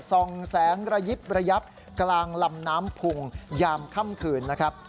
ส่องแสงระยิบระยับกลางลำน้ำพุงยามค่ำคืนนะครับ